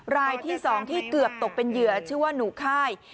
รายที่๒ที่เกือบตกเป็นเหยื่อชื่อว่าหนูค่าย